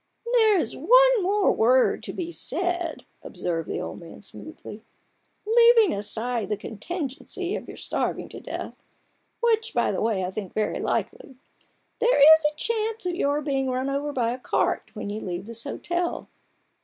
" There is one more word to be said," observed the old man, smoothly. ''Leaving aside the contingency of your starving to death — which, THE BARGAIN OF RUPERT ORANGE. ig by the way, I think very likely — there is a chance of your being run over by a cart when you leave this hotel.